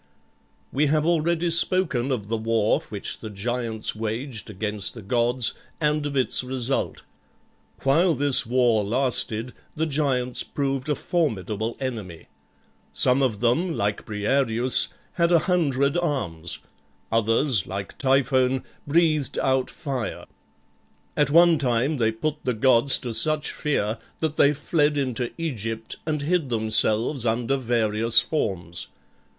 We have already spoken of the war which the giants waged against the gods, and of its result. While this war lasted the giants proved a formidable enemy. Some of them, like Briareus, had a hundred arms; others, like Typhon, breathed out fire. At one time they put the gods to such fear that they fled into Egypt and hid themselves under various forms.